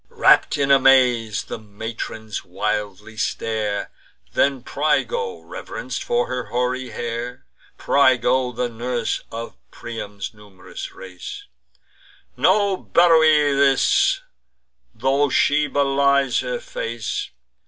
Wrapp'd in amaze, the matrons wildly stare: Then Pyrgo, reverenc'd for her hoary hair, Pyrgo, the nurse of Priam's num'rous race: "No Beroe this, tho' she belies her face!